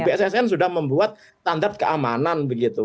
bssn sudah membuat standar keamanan begitu